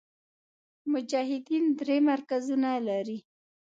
مجاهدین درې مرکزونه لري.